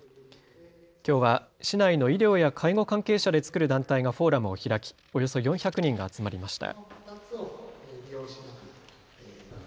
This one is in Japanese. きょうは市内の医療や介護関係者で作る団体がフォーラムを開きおよそ４００人が集まりました。